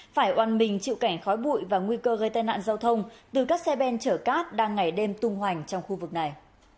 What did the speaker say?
phải oàn mình chịu cảnh khói bụi và nguy cơ gây tai nạn giao thông từ các xe ben chở cát đang ngày đêm tung hoành trong khu vực này